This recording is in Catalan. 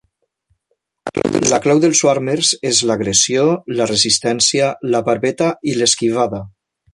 La clau dels "swarmers" és l'agressió, la resistència, la barbeta i l'esquivada.